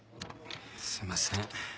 すいません。